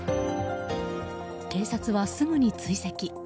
警察は、すぐに追跡。